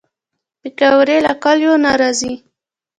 پکورې له کلیو نه راځي